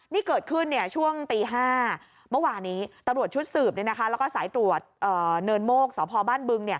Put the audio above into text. นี่เกิดขึ้นช่วงตี๕เมื่อวานนี้ตำรวจชุดสืบแล้วก็สายตรวจเนินโมกสพบ้านบึง